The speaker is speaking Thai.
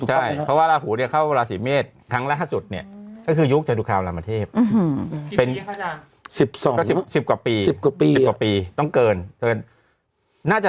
ใช่เพราะว่าลาหูเนี้ยเข้าราศีเมฆครั้งละห้าสุดเนี้ยก็คือยุคจัตุคามรามเทพอืมอืม